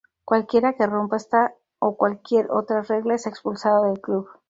Cualquiera que rompa esta o cualquier otra regla es expulsado del club.